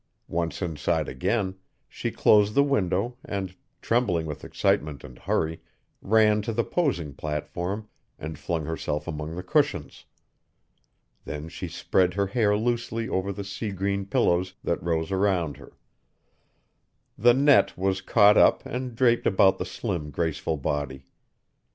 Once inside again, she closed the window and, trembling with excitement and hurry, ran to the posing platform and flung herself among the cushions. Then she spread her hair loosely over the sea green pillows that rose around her. The net was caught up and draped about the slim, graceful body.